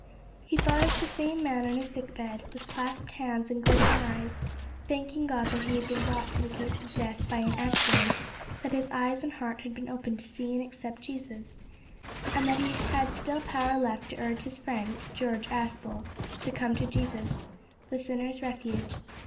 He thought of the same man on his sick bed, with clasped hands and glittering eyes, thanking God that he had been brought to the gates of death by an accident, that his eyes and heart had been opened to see and accept Jesus, and that he had still power left to urge his friend (George Aspel) to come to Jesus, the sinner's Refuge.